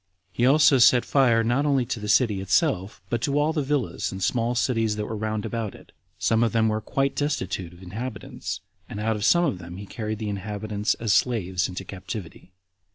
He also set fire not only to the city itself, but to all the villas and small cities that were round about it; some of them were quite destitute of inhabitants, and out of some of them he carried the inhabitants as slaves into captivity.